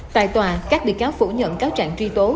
tại tòa các bị cáo phủ nhận cáo trạng truy tố